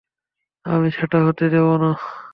আমি সেটা হতে দেবো না।